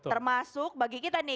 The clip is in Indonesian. termasuk bagi kita nih